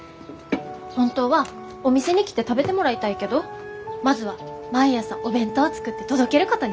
本当はお店に来て食べてもらいたいけどまずは毎朝お弁当を作って届けることにした。